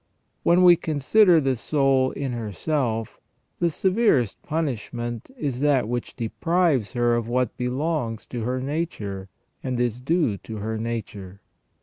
When we consider the soul in herself, the severest punishment is that which deprives her of what belongs to her nature, and is due to her nature.